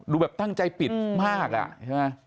ดูแบบตั้งใจปิดมากอ่ะ